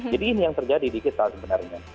jadi ini yang terjadi di kita sebenarnya